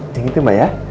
yang itu mbak ya